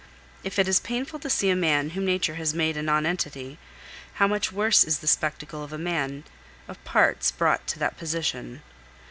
If it is painful to see a man whom nature has made a nonentity, how much worse is the spectacle of a man of parts brought to that position?